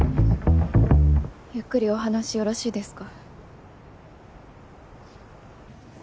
ゆっくりお話よろしいですか？